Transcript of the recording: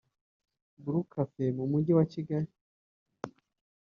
Blues Café mu mujyi wa Kigali